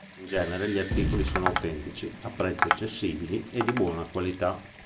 In genere, gli articoli sono autentici, a prezzi accessibili e di buona qualità.